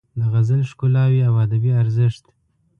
د غزل ښکلاوې او ادبي ارزښت